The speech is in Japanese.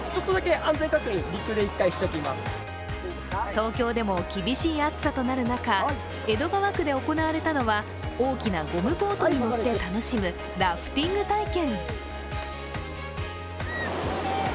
東京でも厳しい暑さとなる中、江戸川区で行われたのは大きなゴムボートに乗って楽しむラフティング体験。